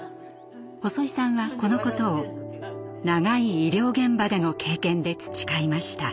細井さんはこのことを長い医療現場での経験で培いました。